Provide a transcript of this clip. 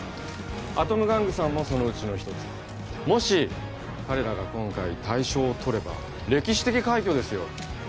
アトム玩具さんもそのうちの一つもし彼らが今回大賞をとれば歴史的快挙ですよ